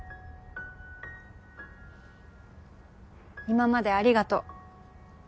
今までありがとう。